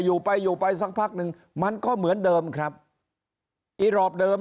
อยู่ไปอยู่ไปสักพักหนึ่งมันก็เหมือนเดิมครับอีรอบเดิม